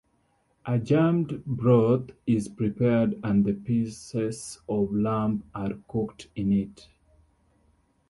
A jameed broth is prepared and the pieces of lamb are cooked in it.